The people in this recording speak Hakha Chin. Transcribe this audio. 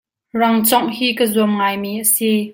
Rang cawngh hi ka zuam ngaimi a si.